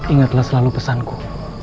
ingatlah selalu pesanku